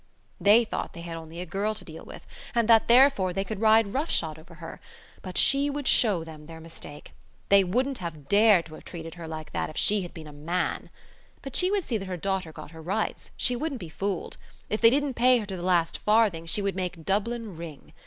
They thought they had only a girl to deal with and that, therefore, they could ride roughshod over her. But she would show them their mistake. They wouldn't have dared to have treated her like that if she had been a man. But she would see that her daughter got her rights: she wouldn't be fooled. If they didn't pay her to the last farthing she would make Dublin ring.